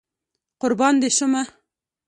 قربان دي شمه